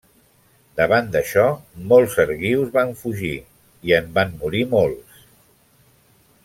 Davant d'això molts argius van fugir, i en van morir molts.